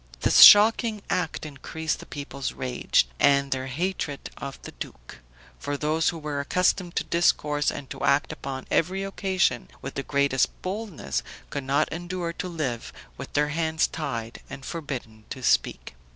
This shocking act increased the people's rage, and their hatred of the duke; for those who were accustomed to discourse and to act upon every occasion with the greatest boldness, could not endure to live with their hands tied and forbidden to speak.